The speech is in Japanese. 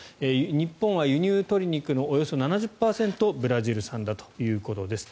日本は輸入鶏肉のおよそ７０％がブラジル産だということです。